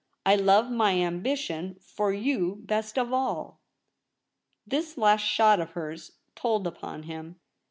I love my ambition for you best of all.' This last shot of hers told upon him.